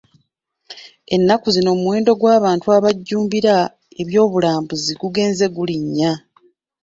Ennaku zino omuwendo gw'abantu abajjumbira eby'obulambuzi gugenze gulinnya.